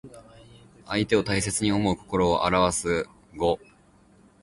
相手を大切に思う心をあらわす語。